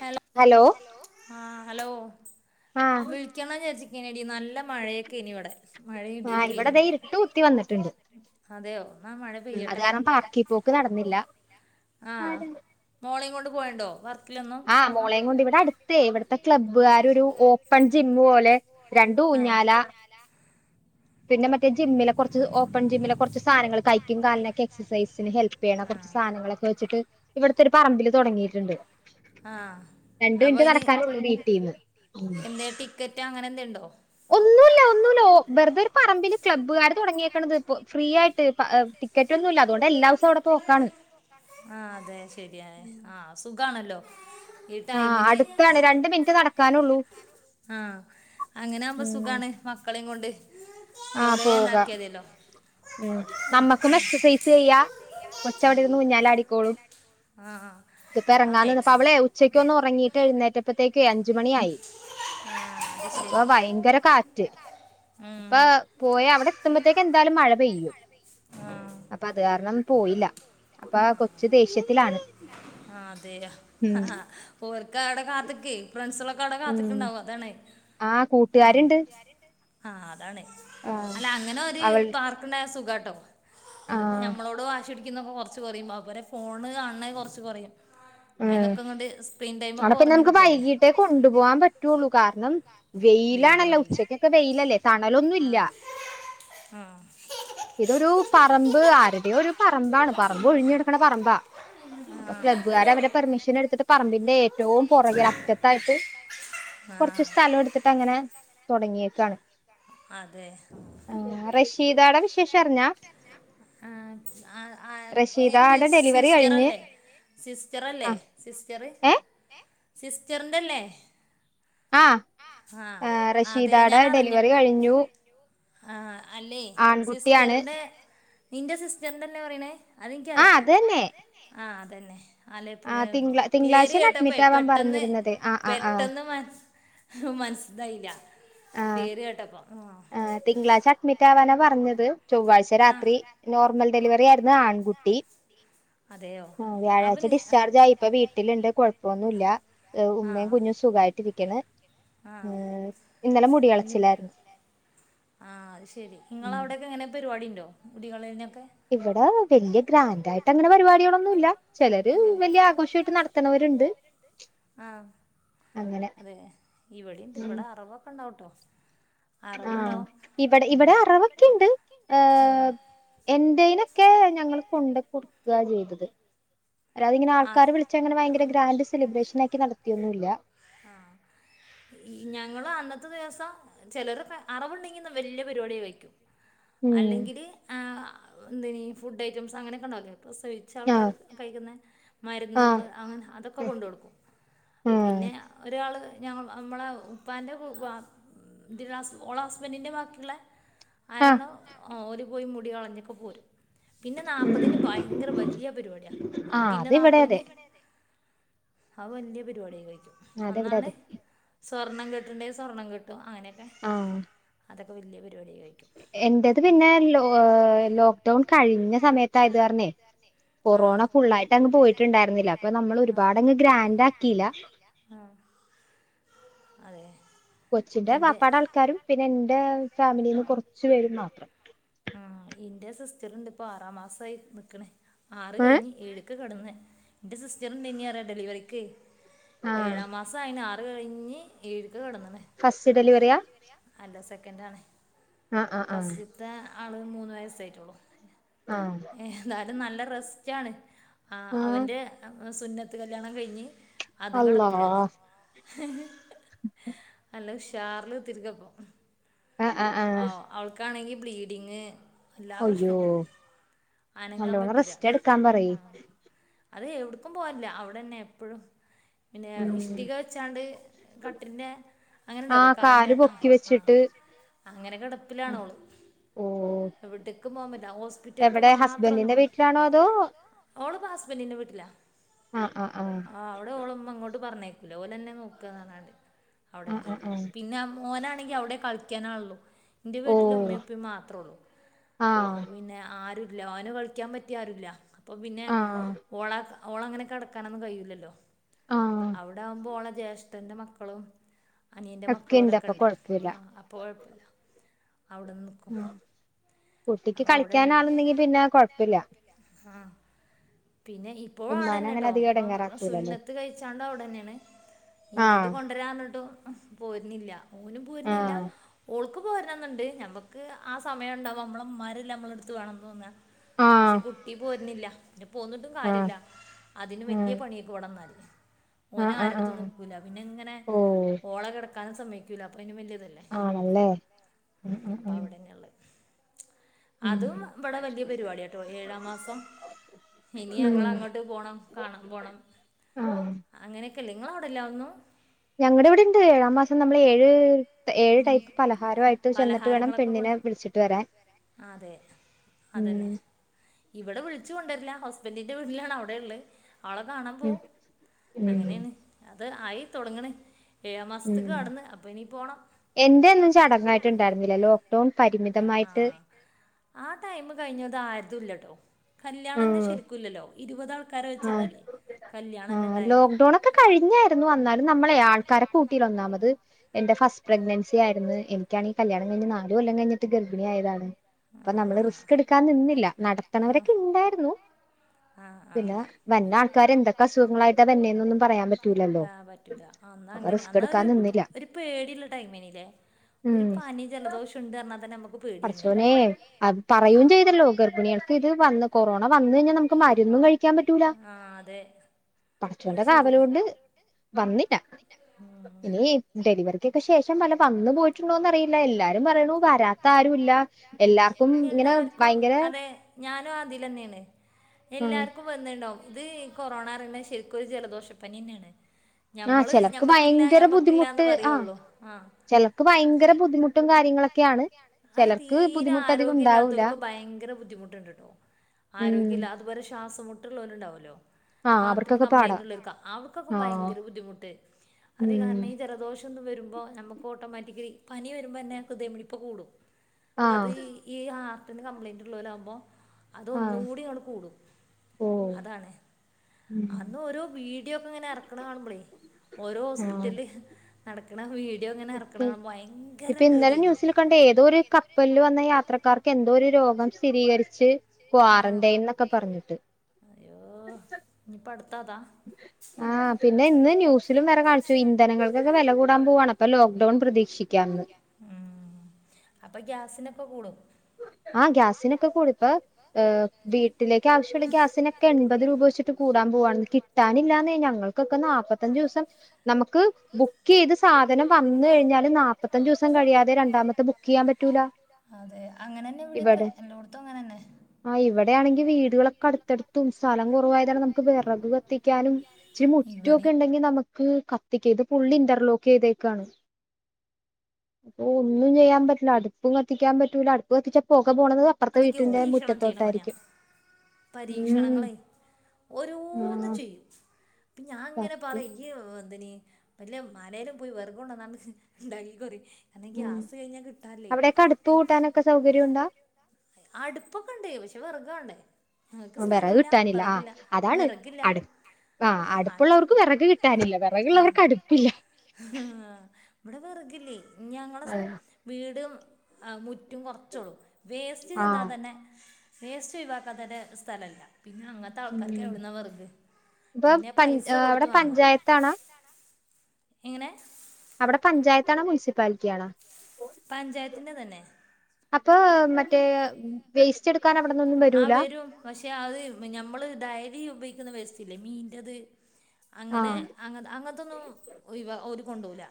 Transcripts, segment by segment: Hello ആ hello വിളിക്കണം ജെച്ചിക്കനെടി നല്ല. മഴയൊക്കെനി ഇവിടെ മഴയും ഇടിയൊക്കെനി. അതെയോന്നാ മഴ പെയ്യട്ടെ ആഹ്. മോളേം കൊണ്ട് പോയേണ്ടോ വർക്കിലൊന്നോ. ആഹ് മോളേം കൊണ്ട് ഇവിട അടുത്തെ ഇവിടുത്തെ ക്ലബ്ബ്. ക്ലബ്ബുകാരൊരു ഓപ്പൺ ജിമ്മ് പോലെ രണ്ട് ഊഞ്ഞാലാ. പിന്നെ മറ്റേ ജിമ്മിലെ കൊറച്ച് ഓപ്പൺ ജിമ്മിലെ കൊറച്ച് സാനങ്ങള് കൈക്കും കാലിനൊക്കെ എക്സൈസിന് ഹെൽപ്പ്. പ്പെയ്യണ കൊറച്ച് സാനങ്ങളൊക്കെ വെച്ചിട്ട് ഇവിട ത്തൊരു പറമ്പില് തുടങ്ങിയിട്ടുണ്ട് രണ്ട് മിനിറ്റ് നടക്കാനേള്ളൂ വീട്ടിന്ന്. എന്തെ ടിക്കറ്റ് അങ്ങനെ എന്തെണ്ടോ? ഒന്നുല്ല, ഒന്നുല്ല ഓ വെറുതെ ഒര് പറമ്പില് ക്ലബ്ബ്കാര് തുടങ്ങിയക്കണത് ഇപ്പ ഫ്രീ ആയിട്ട് പൈ ടിക്കറ്റൊന്നുല്ല. അതുകൊണ്ട് എല്ലാ ദിവസവും അവിടെ പോക്കാണ്. സുഖാണല്ലോ. ആഹ് അടുത്താണ് രണ്ട് മിനിറ്റ് നടക്കാനുള്ളൂ. ആഹ് അങ്ങനാവുമ്പോ സുഖാണ് മക്കളേം കൊണ്ട്. ആഹ് പോകാം ഉം നമ്മക്കും എക്സസൈസ് ചെയ്യാ. കൊച്ചവിടെര്ന്ന് ഊഞ്ഞാലാടിക്കോളും. ആഹ്. ഇതിപ്പോ എറങ്ങാനിന്നപ്പോ അവളെ ഉച്ചക്കൊന്ന് ഉറങ്ങിട്ട് എഴുന്നേറ്റപ്പത്തേക്ക് അഞ്ചുമണിയായി. അപ്പൊ ഭയങ്കര കാറ്റ്. ഇപ്പ പോയ അവിടെ എത്തുമ്പത്തേക്ക് എന്തായാലും മഴ പെയ്യും. അപ്പൊ അത് കാരണം പോയില്ല. അപ്പ കൊച്ച് ദേഷ്യ ആ അതെ ഓർക്കവിടെ കാത്ത്ക്കെ ഫ്രണ്ട്സള. കട കാത്തിക്ക്‌ണ്ടാവും അതാണ് ആ, ആ അതാണ്. അല്ല അങ്ങന ഒര് പാർക്കുണ്ടായ സുഖാട്ടോ. ഇത്പ്പ ഞമ്മളോട് വാശിടി ക്കുന്നക്കെ കൊറച്ച് കുറയും അവരെ ഫോണ് കാണണെ കൊറച്ച് കുറയും. ഉം ആടെ പിന്നെ നമുക്ക് വൈകീട്ടേ കൊണ്ടുപോവാൻ പറ്റുള്ളൂ കാരണം. വെയിലാണല്ല ഉച്ചക്കൊക്കെ വെയിലല്ലേ തണലൊന്നുംല്ല ആഹ് ഇതൊരു പറമ്പ് ആരുടെ ഒരു പറമ്പാണ് പറമ്പ് ഒഴിഞ്ഞെടുക്കണ പറമ്പാ അപ്പൊ ക്ലബ്ബുകാര് അവരെ പെർമിഷൻ എടുത്തിട്ട് പറമ്പിന്റെ ഏറ്റവും പുറകെൽ അറ്റത്തായിട്ട് കുറച്ച സ്ഥലം എടുത്തിട്ട് അങ്ങനെ തുടങ്ങിയക്കാണ് അതെ റഷീദയുടെ വിശേഷം അറിഞ്ഞാ ആഹ് ആഹ് ആഹ് എന്ത് സിസ്റ്റർല്ലേ സിസ്റ്ററല്ലേ സിസ്റ്റർ സിസ്റ്ററിന്റെല്ലേ ആഹ അതെ ഞാൻ അറിഞ്ഞു ആ അല്ലേ സിസ്റ്ററിന്റെ നിന്റെ സിസ്റ്ററിന്റെന്നെ പറയണേ അതിനിക്കറിയാ ആഹ് അതെന്നെ ആഹ് അതെന്നെ അല്ല ഇ പെ പേര് കേട്ടപ്പേയ് പെട്ടെന്ന് പെട്ടെന്ന് മനസ് മനസ്സതായില്ല പേര് കേട്ടപ്പ ആ തിങ്കളാഴ്ച അഡ്മിറ്റാവാനാ പറഞ്ഞത് ചൊവ്വാഴ്ച രാത്രി നോർമൽ ഡെലിവറി ആരുന്നു ആൺകുട്ടി ആഹ് വ്യാഴാഴ്ച ഡിസ്ചാർജായി ഇപ്പ വീട്ടിലിണ്ട് കുഴപ്പൊന്നുല്ല ഉമ്മേം കുഞ്ഞും സുഖായിട്ടിരിക്കണ് ഏ ഇന്നലെ മുടി കളച്ചിലായിരുന്നു ആഹ് അത് ശരി ഇങ്ങളെ അവിടെയൊക്കെങ്ങനെ പരിവാടിയുണ്ടോ മുടികളയല്നൊക്കെ ഇവടെ വല്ല്യ ഗ്രാൻഡായിട്ടങ്ങനെ പരിപാടികളൊന്നുല്ല ചെലര് വല്ല്യ ആഘോഷായിട്ട് നടത്തണവരുണ്ട് ആഹ് അതെ ഇവടിണ്ട് ഇവടെ അറവൊക്കെണ്ടാവുട്ടോ ആഹ് ഇവടെ ഇവടെ അറവൊക്കെണ്ട് ഏ എന്റെയ്നൊക്കെ ഞങ്ങൾ കൊണ്ടയ് കൊടുക്ക ചെയ്തത് അല്ലാതെ ഇങ്ങനെ ആൾക്കാരെ വിളിച്ചങ്ങനെ വയങ്കര ഗ്രാൻഡ് സെലിബ്രേഷനാക്കി നടത്തിയൊന്നുല്ല ആഹ് ഞങ്ങള് അന്നത്തെ ദിവസം ചെലര് അറവുണ്ടെങ്കി വല്ല്യ പരിപാടിയായി വെക്കും അല്ലെങ്കില് ആ എന്തയിനി ഫുഡ് ഐറ്റംസ് അങ്ങനെയൊക്കെ ഉണ്ടാക്കി സവിച്ചാൾക്കാര് കഴിക്കുന്ന മരുന്നുകള് അങ്ങനെ അതൊക്കെ കൊണ്ട് കൊടുക്കും പിന്നെ ഒര ൾ ഞ നമ്മളെ ഉപ്പാന്റെ ഓള ഹസ്ബൻഡിന്റെ ബാക്കിള്ള ആരാണോ ഓര് പോയി മുടി കളഞ്ഞൊക്കെ പോരും പിന്നെ നാപതിന് ഭയങ്കര വല്യ പരിപാടിയാ കുട്ടീന്റെ നാപതിന് അയ് വല്യ പരിപാടിയായി കയിക്കും അന്നാണ് സ്വർണം കെട്ടണ്ടിയെ സ്വർണം കെട്ടും അങ്ങനെയൊക്കെ ആഹ് അതൊക്കെ വല്ല്യ പരിപാടിയായി കയിക്കും എന്റത് പിന്നെ ലോ ലോക്ക്ഡൗൺ കഴിഞ്ഞ സമയത്തായത് കാരണെ കൊറോണ ഫുള്ളായിട്ട ങ്ങു പോയിട്ടുണ്ടാരുന്നില്ല അപ്പൊ നമ്മളൊരുപാടങ്ങ് ഗ്രാന്റാക്കീല ആഹ് അതെ കൊച്ചിന്റെ പപ്പടെ ആൾക്കാരും പിന്നെ ഇന്റെ ഫാമിലിന്ന് കൊറച്ചു പേരും മാത്രം ആഹ് ഇന്റെ സിസ്റ്റർണ്ട് ഇപ്പോ ആറാം മാസായി നിക്ക്‌ണ് ആറ് കഴിഞ്ഞ് ഏഴി കെട്ന്ന് ഇന്റെ സിസ്റ്ററ്ണ്ടായിനി പറയ ഡെലിവറിക്ക് ഏഴാം മാ സായിന് ആറ് കഴിഞ്ഞ് ഏഴിക്ക് കിടന്ന്ണ് ഫസ്റ്റ് ഡെലിവറിയ അല്ല സെക്കന്റാണ് ഫസ്റ്റത്തെ ആള് മൂന്ന് വയസ്സായിട്ടൊള്ളൂ ആഹ് എന്തായാലും നല്ല റെസ്റ്റാണ് ആഹ് അവന്റെ സുന്നത്ത് കല്യാണം കഴിഞ്ഞ് അതും കെടപ്പിലാണ് ഉ [unintelligible] [inaudible] നല്ല ഉഷാറിലുത്തിരിക്കപ്പൊ ആ അവൾക്കാണെങ്കി ബ്ലീഡിങ് എല്ലാ പ്രശ്നുണ്ട് അനങ്ങാം പറ്റൂലാ അത് എവിട്ക്കും പോവാലില്ല അവിടെന്നെ എപ്പഴും പിന്നെ ഇഷ്ടിക വെച്ചാണ്ട് കട്ടിന്റെ അങ്ങനെണ്ടാവുല്ലേ കാലിന്റെ ആ ആ കാല് പൊക്കി വെച്ച് അങ്ങനെ കെടപ്പിലാണോള് എവ്ട്ക്കും പോകാൻ പറ്റില്ല ഹോസ്പിറ്റല്ക്ക് മാത്രൊന്ന് പോവും ഇപ്പൊ ഹസ്ബന്റിന്റെ വീട്ടില ആ അവടെ ഓളെമ്മ എങ്ങോ ട്ടും പറഞയക്കൂല ഓലെന്നെ നോക്കാന്ന് പറഞ്ഞാണ്ട് അവടേണ് പിന്നെ ആ മോനാണെങ്കി അവടെ കളിക്കാൻ ആളൊള്ളു ഇന്റെ വീട്ടില് ഉമ്മി, ഉപ്പി മാത്രൊള്ളൂ അപ്പൊ പിന്നെ ആരു ഇല്ല ഓൻ കളിക്കാൻ പറ്റിയ ആരൂല്ല അപ്പൊ പിന്നെ ഓള ഓളങ്ങനെ കടക്കാനൊന്നും കയ്യൂല്ലല്ലോ? അവ്ടാവുമ്പോ ഓളെ ജ്യേഷ്ഠന്റെ മക്ക ളും അനിയന്റെ മക്കള് ഒലൊക്കെണ്ട് അപ്പ കൊഴപ്പല്ല അവ്ട്ന്ന് കുട്ടിക്ക് കളിക്കാനാള്ണ്ടെങ്കി പിന്നെ കൊഴപ്പല്ല്യ ആഹ് പിന്നെ ഇപ്പോഴും ആടെന്നെട്ടോ? ഇപ്പൊ സുന്നത്ത് കഴിച്ചാണ്ട് അവിടന്നെയാണ് ഇങ്ങെട്ട് കൊണ്ടരാ പർഞ്ഞിട്ടും പോര്ന്നില്ല്യ ഓനും പോര്ന്നില്ല ഓൾക്ക് പോര്നംന്ന്ണ്ട് ഞമ്മക്ക് ആ സമയണ്ടാവുമ്പം അമ്മ ളെ ഇമ്മാരല്ലേ നമ്മളെടുത്ത് വേണംമെന്ന് തോന്ന പക്ഷെ കുട്ടി പോര്നില്ല പിന്നെ പോന്നിട്ടും കാര്യല്ല അതിന് വല്യയ പണിയെ ര്ക്കും ഇവെടന്നാല് ഓന് ആരെട്ത്തും നിക്കൂല പിന്നെങ്ങനെ ഓളെ കെടക്കാനും സമ്മയികൂല അപ്പോ അയിനും വല്ല്യതല്ലേ അപ്പ അവിടെന്നെയാ ഇള്ളെ അതും ഇബടെ വല്ല്യ പരിപാടിയാട്ടോ ഏഴാം മാസം ഇനി ഞങ്ങളങ്ങോട്ട് പോണം കാണാൻ പോണം അങ്ങനെയൊക്കെല്ല ഇങ്ങളവിടെ ഇല്ലേ അതൊന്നും? ഞങ്ങള് ഇവിടിണ്ട് ഏഴാംമാസം നമ്മള് ഏഴ് ഏഴ് ടൈപ്പ് പലഹാരവായിട്ട് ചെന്നിട്ട് വേണം പെണ്ണിനെ വിളിച്ചിട്ട് വരാൻ ആഹ് അതെ അതന്നെ ഇവടെ വിളിച്ചു കൊണ്ട്രല്ല ഹസ്ബൻഡറിന്റെ വീട്ടിലാണ് അവിടെയ്ള്ളെ അവളെ കാണാം പോവും അങ്ങനെയാണ് അത് ആയി തൊടങ്ങ്ണ് ഏഴാം മാസത്ത്ക്ക് കെടന്ന് അപ്പൊ ഇനി പോണം എന്റെയൊന്നും ചടങ്ങായിട്ട് ഇണ്ടായിര്ന്നില്ല ലോക്ക്ഡൗൺ പരിമിതമായിട്ട് ആഹ് ടൈം കഴിഞ്ഞത് ആര്തുല്ലട്ടോ കല്യാണം തന്നെ ശരി കുല്ലല്ലോ ഇരുവത് ആൾക്കാരെ വെച്ചിരുന്നല്ലേ കല്യാണന്നെണ്ടായേ? കൊക്കെ കഴിഞ്ഞായിരുന്നു എന്നാലും നമ്മളെ ആൾക്കാരെ കൂട്ടില്ല ഒന്നാമത് എന്റെ ഫസ്റ്റ് പ്രെഗ്നൻസി ആയിര്ന്ന് എിക്കാണെ ഈ കല്യാണം കഴിഞ് നാല് കൊല്ലം കഴിഞ്ഞിട്ട് ഗർഭണിയായതാണ് അപ്പൊ നമ്മള് റിസ്ക് എടുക്കാൻ നിന്നില്ല നടത്തണ വരൊക്കെ ഇണ്ടായിരുന്നു ആഹ് ആഹ് വര്നാൾക്കാര് എന്തൊക്കെ അസുഖങ്ങളായിട്ട് വര്ന്നെന്നൊന്നും പറയാൻ പറ്റൂല ആഹ് പറ്റൂല ആ അന്നങ്ങനെ അന്ന് ആ ഒരു ഒരു പേടിയ്ള്ള ടൈമേനി ല്ലേ? ഒരു പനി ജലദോഷും, ഇണ്ട് പർഞാൽ തന്നെ അമ്മക്ക് പേടിയേനിയല്ലോ? അത് പറയും ചെയ്തല്ലോ ഗർഭിണികൾക്ക് ഇത് വന്ന് കൊറോണ വന്ന് കഴിഞ്ഞാ നമുക്ക് മരുന്നും കഴിക്ക ആഹ് അതെ പടച്ചോന്റെകാവലോണ്ട് വന്നില്ല. ഇനി ഡെലിവറിറിക്കൊക്കെ ശേഷം വല വന്നു പോയിട്ടുണ്ടോന്ന്റിയില്ല എല്ലാരും പറയണൂരാ താആരുല്ല എല്ലാവർക്കും ഇങ്ങനെ ഭയങ്കര. ഞാനും ആതിലന്നെണ് എല്ലാർക്കും. വന്ന്ണ്ടാവുംഇത്ഈ കൊറോണ റിന്നെ ശരിക്കും ഒരു ജലദോഷപ്പനി ന്നെയണ്. ഞമ്മള് ഞമ്മക്കില്ല ഞമ്മക്കില്ലന്ന് പറയുള്ളൂ ആഹ് ചിലർക്ക് ഭയങ്കര ബുദ്ധിമുട്ടും കാര്യങ്ങളും ഒക്കെയാണ്. അത് തീരെ ആരോഗ്യം ഇല്ലാത്തവർക്ക് ഭയങ്കര ബുദ്ധിമുട്ടും. ട്ടോ ആരോഗ്യല്ല അതുപോല ശ്വാസം മുട്ടുള്ളവരുണ്ടാവല്ലോ? ഹാർട്ടിന് കംപ്ലൈന്റ് ഉള്ളക്ക അവർക്കൊക്കെ ഭയങ്കര ബുദ്ധിമുട്ട്. അത് കാരണം ഈ ജലദോഷ വരുമ്പോ നമുക്ക് ഓട്ടോമാറ്റിക്കലി പനി വരുമ്പോ തന്നെ ഹൃദയ ഇടിപ്പ് കൂടും. അത് ഈ ഈ ആർട്ടിന് കംപ്ലൈന്റ് ഉള്ളല് ആകുമ്പോൾ അതൊന്നുകൂടി ഇങ്ങട്ട് കൂടും. അതണേ അന്ന് ഓരോ വീഡിയോ ഒക്കെ ഇങ്ങനെ ഇറക്കണ് കാണുമ്പോളേ. ഓരോ ഹോസ്പിറ്റല്. ഇപ്പ ഇന്നലെ ന്യൂസിൽ കണ്ടാ ഏതോ ഒരു കപ്പലില് വന്ന യാത്രക്കാർക്ക് എന്തോ ഒരു രോഗം സ്ഥിരീകരിച്ച്. ക്വാറന്റൈൻ എന്നൊക്കെ പറഞ്ഞിട്ട്. അയ്യോ ഇനിപ്പ അടുത്തതാ ആഹ് പിന്നെ ഇന്ന് ന്യൂസിലും വേരെ പിന്നെ ഇന്ന് ന്യൂസിൽ വേറെകാണിച്ചു ഇന്ധനങ്ങൾക്കൊക്കെ വില കൂടാൻ പോവാണ് അപ്പൊ ലോക്ക്ഡൌൺ പ്രതീക്ഷിക്കാന്ന് ഉം അപ്പം ഗ്യാസിനൊക്കെ കൂടും. ആഹ ഗ്യാസിനൊക്കെ കൂടിപ്പോ വി വിട്ടിലേക്ക് ആവശ്യമുള്ള ഗ്യാസിനൊക്കെ എൺപത് രൂപ വെച്ചട്ട് കൂടാ പോവാണ് കട്ടാനില്ലാന്നെ ഞങ്ങ ക്കൊക്കെ നാപത്തഞ്ച് ദിവസം നമുക്ക് ബുക്ക് ചെയ്ത് സാധനം വന്ന് കഴിഞ്ഞാല് ന നാപ്പത്തഞ്ചു ദിവസം കഴിയാതെ രണ്ടമത്തെ ബുക്ക് ചെയ്യാൻ പറ്റൂല. അതെ അങ്ങനെന്നെ ഇവിടെയൊക്കെ എല്ലോടത്തും അങ്ങനെന്നെ വീട് കളൊക്കെ അടുത്തടുത്തും സ്ഥലം കുറവായത് കാരണം നമുക്ക് വിറക് കത്തിക്കാനും. ഇിചിരി മുറ്റൊക്കോ ഇണ്ട നമക്ക് കത്തികാ ഇത് ഫുള്ള് ഇന്റർലോക്ക് ചെയ്തേക്കാണ്. അപ്പൊ ഒന്നും ചെയ്യാൻ പറ്റില്ല. അടുപ്പും കത്തിക്കാൻ പറ്റൂല. അടുപ്പ് കത്തിച്ച പോക-. പോണത് കാ അപ്പുറത്തെ വീട്ടിന്റെ മുറ്റത്തോട്ടായിരിക്കും. പരീക്ഷണങ്ങളെ ഓരോന്ന് ചെയ്യും. അപ്പ ഞാൻ ഇങ്ങനെ പറയും ഇജ് എന്തേനി വല്ല മലേയിലും പോയി വെറക് കൊണ്ടന്നാണ്ട് ഇണ്ടാക്കികൊറിയും. അന്നെ ഗ്യാസ് കഴിഞ്ഞാൽ കിട്ടാൻ ഇല്ലേ ഒകെ സൗകര്യം ഉണ്ടാ. അടുപ്പൊക്കെ ഉണ്ട് പക്ഷെ വിറക് വാണ്ടേ. ങ്ങക്ക് സ്ഥലം ഇല്ല വിറകില്ല വിറകില്ല. ആഹ് അടുപ്പുള്ളവർക്ക് വിറക് കിട്ടാനില്ല വിറകുള്ളവർക്ക് അടുപ്പില്ല. ആ ഇവിടെ വെറുകില്ലേ ഞങ്ങളെ വീടും മുറ്റും കുറച്ചുള്ളൂ വേസ്റ്റ് ഇടാൻ തന്നെ വേസ്റ്റ് ഒഴിവാക്കാന് തന്നെ സ്ഥലയില്ല. പിന്നെ അങ്ങത്തെ ആൾക്കാർക്ക് എവിടുന്നാ വിറക്ക് പിന്നെ പൈസ കൊടുത്ത് വാങ്ങാം എങ്ങനെ അവിടെ പഞ്ചായത്ത് ആണോ മുനിസിപ്പാലിറ്റി ആണോ? അപ്പൊ മറ്റേ വേസ്റ്റ് എടുക്കാൻ അവിടന്നൊന്നും വരൂല പക്ഷേ അത് ഞമ്മൾ ഡയലി ഉപയോഗിക്കുന്ന വേസ്റ്റ് ഇല്ലേ മീൻന്റേത്. അങ്ങനെ അങ്ങ അങ്ങനത്തൊന്നും ഒഴിവ ഓര് കൊണ്ടോവൂല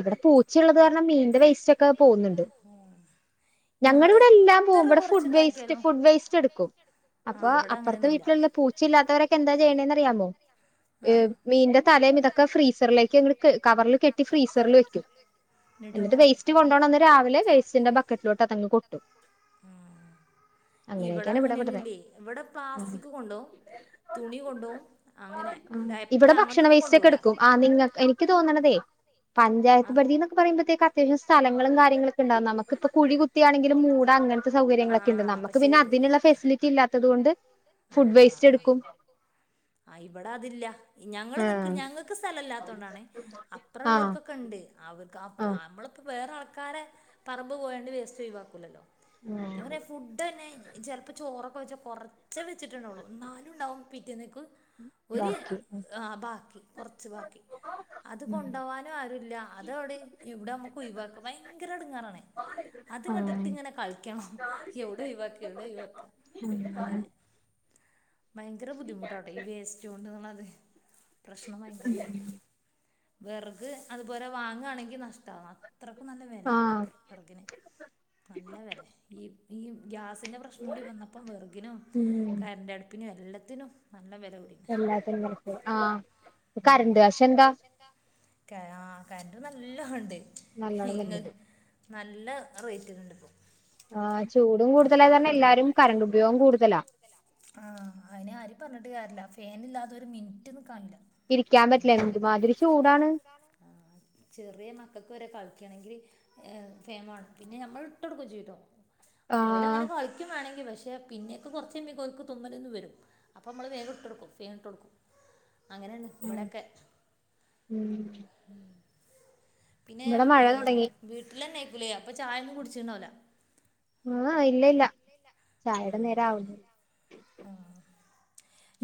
ഇവിടെ പൂച്ച ഉള്ളത് കാരണം മീന്റെ വേസ്റ്റ് ഒക്കെ പോകുന്നുണ്ട് ഉം ഞങ്ങടെ ഇവിടെ എല്ലാം പോവും ഇവിടെ ഫുഡ്‌ വേസ്റ്റ് ഫുഡ് വേസ്റ്റ് ട്ക്കും അപ്പൊ അപ്പർത്തെ വീട്ടിലുള്ള പൂച്ച ഇല്ലാത്തവരൊക്കെ എന്താ ചെയ്യണേന്ന് അറിയാമോ മീന്റെ തലേയും ഇതൊക്കെ ഫ്രീസറിലേക്ക് അങ്ങട് കെ കവർല് കെട്ടി ഫ്രീസറിൽ വെക്കും എന്നിട്ട് വേസ്റ്റ് കൊണ്ടോണന്ന് രാവിലെ വേസ്റ്റിന്റെ ബക്കറ്റിലോട്ട് അതങ്ങ് കൊട്ടും ഉം ഇവിടെ അങ്ങനെയൊന്നും ഇല്ലേ ഇവിടെ പ്ലാസ്റ്റിക് കൊണ്ടോവും തുണി കൊണ്ടോവും അങ്ങനെ ഡയപ്പർ അങ്ങനത്തൊന്നും കൊണ്ടോവൂല എനിക്ക് തോന്നുണദേ പഞ്ചായത്ത് പര്ദിന്നൊക്കെ പറയുമ്പത്തേക്ക് അത്യാവശ്യ സ്ഥലങ്ങളും കാര്യങ്ങളൊക്കെ ഉണ്ടാകും നമുക്കിപ്പം കുഴി കുത്തിയാണെങ്കിലും മൂടാം അങ്ങനത്തെ സൗകര്യങ്ങളൊക്കെ ഉണ്ട് നമുക്ക് പിന്നെ അതിനുള്ള ഫെസിലിറ്റി ഇല്ലാത്തത് കൊണ്ട് ഫുഡ് വേസ്റ്റ് എടുക്കും ആഹ് ഇവിടെ അതില്ല ഞങ്ങള് നിക്ക് ഞങ്ങൾക്ക് സ്ഥലം ഇല്ലാത്ത കൊണ്ടാണ് അപ്പുറം ഉള്ളവർക്കൊക്കെ ഉണ്ട് അവർക്ക് നമ്മളിപ്പോ വേറെ ആൾക്കാരെ പറമ്പ് പോയാണ്ട് വേസ്റ്റ് ഒഴിവാക്കൂലല്ലോ ഉം ഫുഡ് തന്നെ ചിലപ്പോൾ ചോറൊക്കെ വെച്ചാൽ കുറച്ചേ വെച്ചിട്ടുണ്ടാവുള്ളൂ എന്നാലും ഉണ്ടാകും പിറ്റേന്നേക് ഒര് ആഹ് ബാക്കി കുറച്ച് ബാക്കി അത് കൊണ്ട് പോവാനും ആരുല്ല അത് അവിടെ ഇവിടെ നമ്മുക്ക് ഒഴിവാക്കാ ഭയങ്കര എടുങ്ങാറാണേ അത് ഇങ്ങട്ട് ഇട്ട് ഇങ്ങനെ കളിക്കണം എവിടെ ഒഴിവാക്ക എവിടെ ഒഴിവാക അങ്ങനെ ഭയങ്കര ബുദ്ധിമുട്ടാട്ടോ ഈ വേസ്‌റ്റോണ്ട് ഉള്ളത് പ്രശ്നം ഭയങ്കര ബുദ്ധിമുട്ടാ വെറക് അതുപോലെ വാങ്യാണെങ്കിൽ നഷ്ടാകും അത്രയ്ക്കും നല്ല വെലയ ഇവിടെയൊക്കെ വെർകിന് നല്ല വേലയാ ഈ ഈ ഗ്യാസ് സിന്റെ പ്രശ്നം കൂടി വന്നപ്പോ വെറുകിനും കറന്റ് അടുപ്പിനും എല്ലാത്തിനും നല്ല വില കൂടി എല്ലാത്തിനും [unintelligible] ആഹ് കരണ്ട് കാശെന്താ? ക ആഹ് കരണ്ട് നല്ലോഇണ്ട് ഇങ്ങ നല്ല റേറ്റിനിണ്ട്പ്പോ ആഹ് ചൂടു കൂടുതലായത് കാരണം എല്ലാരും കരണ്ടുപയോഗം കൂടുതലാ ആഹ് അയിന് ആരേം പറഞ്ഞിട്ട് കാര്യല്ല ഫേനില്ലാതെ ഒരു മിനിറ്റ് നിക്കാൻ കയ്യൂല ഇരിക്കാൻ പറ്റില്ല എന്ത്മാതിരി ചൂടാണ് ആഹ് ചെറിയ മക്കക്ക് വരെ കളിക്കണെങ്കില് ഏഹ് ഫേൻ വേണം പിന്നെ ഞമ്മളിട്ടോടുക്കു ചെയ്യൂട്ടോ ഓലഅങ്ങനെ കളിക്കും വേണെങ്കി പക്ഷെ പിന്നെക്ക് കുറച്ചയ്യൂമ്പെക്ക് ഓലിക്ക് തുമ്മലന്നും വരും അപ്പൊ അമ്മള് വേഗൊ ട്ട്ഒടുക്കും ഫേനിട്ടോടുക്കും അങ്ങനാണ് ഇബ്ടക്കെ പിന്നെ ഏഹ് വീട്ടിലെന്നെ ആയിക്കൂലേ അപ്പൊ ചായൊന്നും കുടിച്ചിണ്ടാകൂല ആഹ് ഇല്ല ഇല്ല ചായേടെ നേരം ആവുന്നു ആഹ്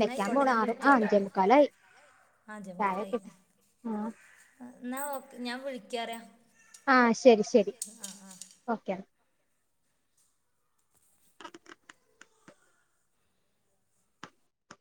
ന്ന ആയിക്കോട്ടെ ഞാൻ വിളിക്കാട്ടോ അഞ്ചേ മുക്കാലായി എന്നാ ഓക് ഞാൻ വിളിക്കാറിയാ ആഹ് ശരി ശരി ഓക്കെ എന്നാ